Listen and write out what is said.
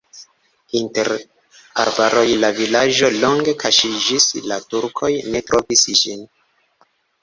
Inter arbaroj la vilaĝo longe kaŝiĝis, la turkoj ne trovis ĝin.